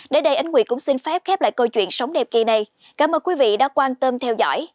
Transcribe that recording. để đây anh quỳ cũng xin phép khép lại câu chuyện sống đẹp kỳ này cảm ơn quý vị đã quan tâm theo dõi